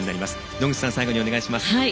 野口さん、最後にお願いします。